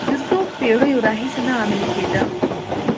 د څو پېړیو راهیسې نه عملي کېده.